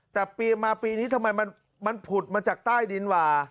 แต่ปีมาปีนี้ทำไมมันผุดมาจากใต้ดินว่า